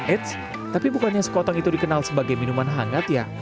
eits tapi bukannya sekotong itu dikenal sebagai minuman hangat ya